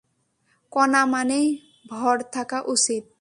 কণা মানেই ভর থাকা উচিৎ।